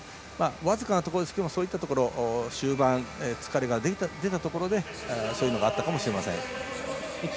僅かなところですけどそういったところで終盤に疲れが出たところでそういったところがあったかもしれません。